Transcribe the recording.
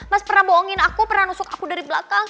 mas pernah bohongin aku pernah nusuk aku dari belakang